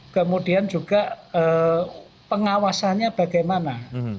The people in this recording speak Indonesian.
kemudian juga pengawasannya bagaimana